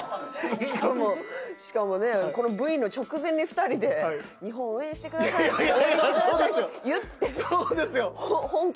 しかもしかもねこのＶの直前に２人で「日本応援してください」「応援してください」って言って。